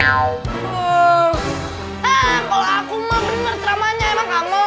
heee kalau aku mah bener teramanya emang kamu